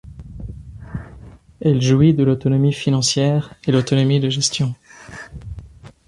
Elle jouit de l'autonomie financière et l'autonomie de gestion.